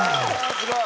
すごい。